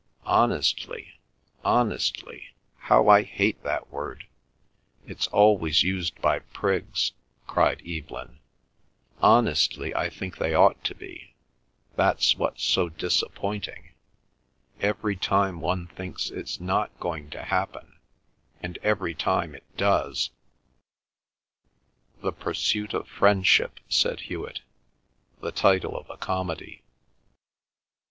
"Honestly, honestly,—how I hate that word! It's always used by prigs," cried Evelyn. "Honestly I think they ought to be. That's what's so disappointing. Every time one thinks it's not going to happen, and every time it does." "The pursuit of Friendship," said Hewet. "The title of a comedy."